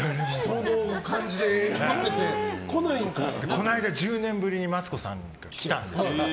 この間、１０年ぶりにマツコさんが来たんですよ。